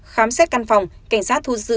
khám xét căn phòng cảnh sát thu giữ